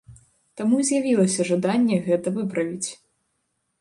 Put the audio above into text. Таму і з'явілася жаданне гэта выправіць.